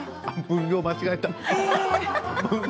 分量を間違えた。